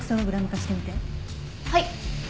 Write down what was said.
はい。